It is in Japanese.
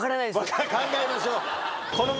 考えましょう。